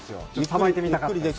さばいてみたかったので。